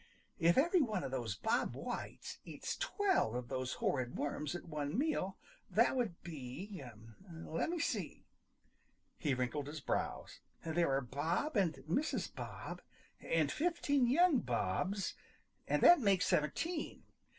"If every one of those Bob Whites eats twelve of those horrid worms at one meal that would be let me see." He wrinkled his brows. "There are Bob and Mrs. Bob and fifteen young Bobs and that makes seventeen.